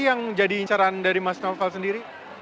apa yang jadi inceran dari mas naufal sendiri